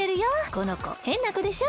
このこへんなこでしょ？